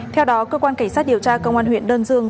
theo đó cơ quan cảnh sát điều tra công an huyện đơn dương